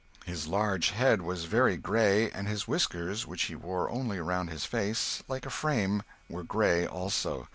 His large head was very grey; and his whiskers, which he wore only around his face, like a frame, were grey also.